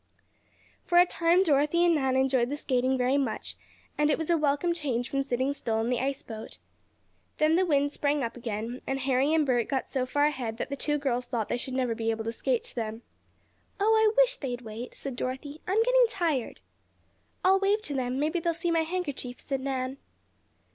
For a time Dorothy and Nan enjoyed the skating very much, and it was a welcome change from sitting still on the ice boat. Then the wind sprang up again, and Harry and Bert got so far ahead that the two girls thought they should never be able to skate to them. "Oh, I wish they'd wait," said Dorothy. "I'm getting tired." "I'll wave to them maybe they'll see my handkerchief," said Nan.